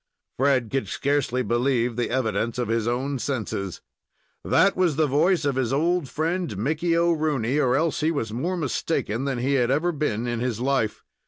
Fred could scarcely believe the evidence of his own senses. That was the voice of his old friend, Mickey O'Rooney, or else he was more mistaken than he had ever been in his life.